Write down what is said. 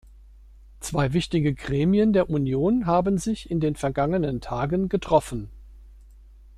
Zwei wichtige Gremien der Union haben sich in den vergangenen Tagen getroffen.